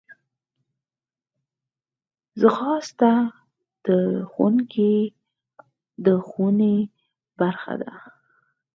ځغاسته د ښوونکي د ښوونې برخه ده